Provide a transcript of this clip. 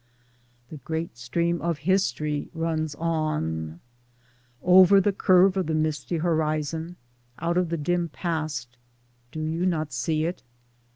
The great stream of history runs on. Towards Democracy n Over the curve of the misty horizon, out of the dim past (do you not see it?)